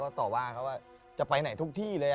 เราก็ต่อว่าเขาว่าจะไปไหนทุกที่เลยอ่ะ